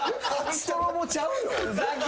ストロボちゃうよ。